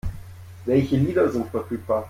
Welche Lieder sind verfügbar?